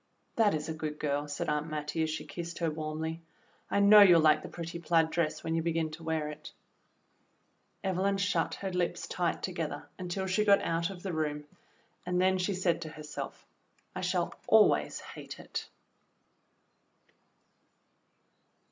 "That is a good girl," said Aunt Mattie, as she kissed her warmly. "I know you'll like the pretty plaid dress when you begin to wear it." Evelyn shut her lips tight together until she got out of the room, and then she said to herself, "I shall always hate it."